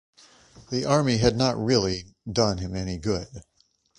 The army had not really done him any good.